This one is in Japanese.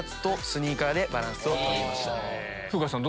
風花さん